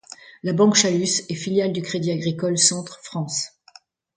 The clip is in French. La Banque Chalus est filiale du Crédit agricole Centre France.